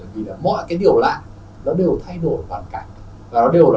vì mọi cái điều lạ đều thay đổi toàn cảnh